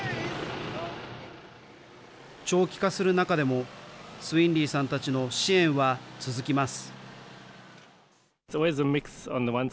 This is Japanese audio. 長期化する中でも、スウィンリーさんたちの支援は続きます。